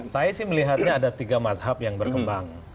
saya sih melihatnya ada tiga mazhab yang berkembang